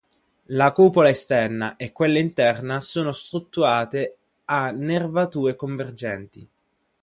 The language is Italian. La cupola esterna e quella interna sono strutturate a nervature convergenti.